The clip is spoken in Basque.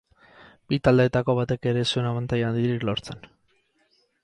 Bi taldeetako batek ere ez zuen abantaila handirik lortzen.